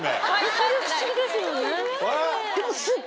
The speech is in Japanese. それ不思議ですよねでも。